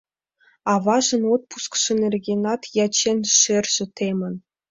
Аважын отпускшо нергенат ячен, шерже темын.